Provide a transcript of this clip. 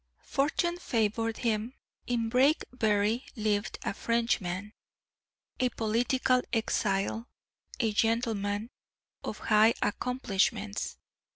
Fortune favored him. In Brakebury lived a Frenchman, a political exile, a gentleman of high accomplishments.